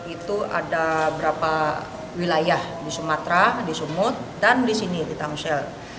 itu ada berapa wilayah di sumatera di sumut dan di sini di tamsel